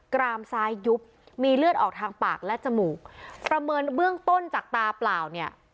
กรามซ้ายยุบมีเลือดออกทางปากและจมูกประเมินเบื้องต้นจากตาเปล่าเนี่ย